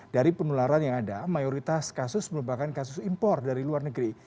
dari penularan yang ada mayoritas kasus merupakan kasus impor dari luar negeri